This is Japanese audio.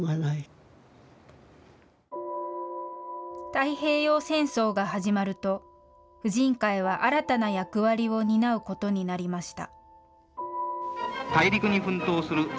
太平洋戦争が始まると、婦人会は新たな役割を担うことになりました。